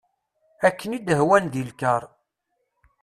Akken i d-hwan deg lkar.